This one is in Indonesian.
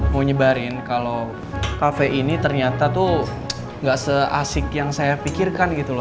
mau nyebarin kalau kafe ini ternyata tuh gak seasik yang saya pikirkan gitu loh